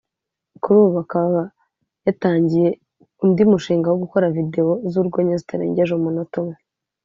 kuri ubu akaba yatangiye undi mushinga wo gukora Video z’urwenya zitarengeje umunota umwe